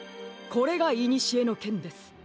これがいにしえのけんです。